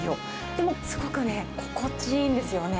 でも、すごくね、心地いいんですよね。